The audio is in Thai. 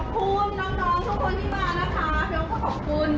เพราะว่าขอบคุณที่มา